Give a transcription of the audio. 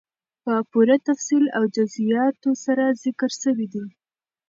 په پوره تفصيل او جزئياتو سره ذکر سوي دي،